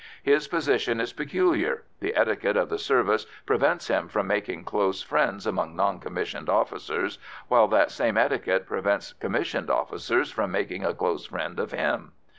His position is peculiar; the etiquette of the service prevents him from making close friends among non commissioned officers, while that same etiquette prevents commissioned officers from making a close friend of him.